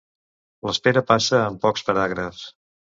L'espera passa en pocs paràgrafs.